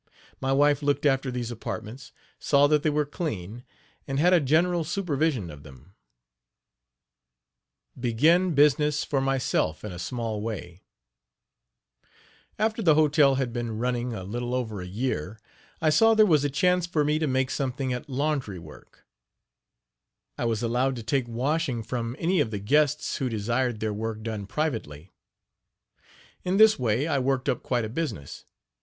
My wife looked after these apartments, saw that they were clean, and had a general supervision of them. BEGIN BUSINESS FOR MYSELF IN A SMALL WAY. After the hotel had been running a little over a year, I saw there was a chance for me to make something at laundry work. I was allowed to take washing from any of the guests who desired their work done privately. In this way I worked up quite a business.